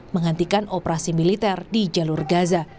menghentikan operasi militer di jalur gaza